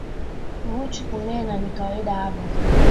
Vachu kunena n kawaida avo